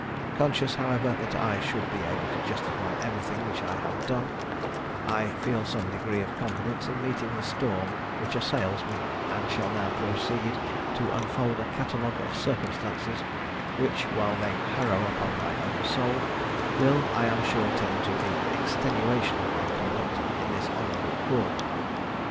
Conscious, however, that I shall be able to justify everything which I have done, I feel some degree of confidence in meeting the storm which assails me, and shall now proceed to unfold a catalogue of circumstances which, while they harrow up my own soul, will, I am sure, tend to the extenuation of my conduct in this honourable court.